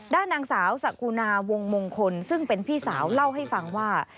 ด้านนางสาวสกุณาวงมงคลซึ่งเป็นพี่สาวเล่าให้ฟังว่า